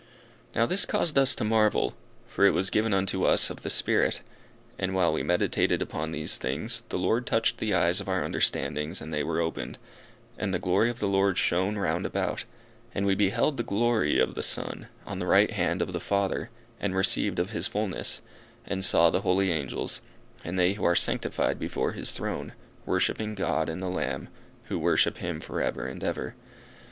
Now this caused us to marvel, for it was given unto us of the Spirit; and while we meditated upon these things, the Lord touched the eyes of our understandings and they were opened, and the glory of the Lord shone round about; and we beheld the glory of the Son, on the right hand of the Father, and received of his fulness; and saw the holy angels, and they who are sanctified before His throne, worshipping God and the Lamb, who worship Him for ever and ever.